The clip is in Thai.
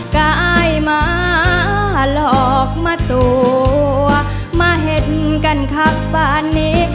กายมาหลอกมาตัวมาเห็นกันครับบ้านนี้